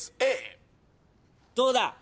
どうだ？